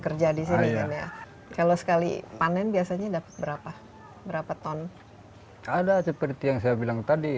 kerja di sini kan ya kalau sekali panen biasanya dapat berapa berapa ton ada seperti yang saya bilang tadi